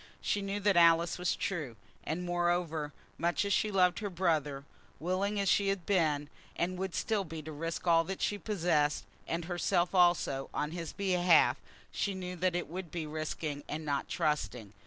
She knew that Alice was true. And, moreover, much as she loved her brother, willing as she had been and would still be to risk all that she possessed, and herself also, on his behalf, she knew that it would be risking and not trusting.